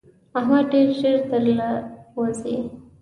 احمد ډېر ژر تر له وزي.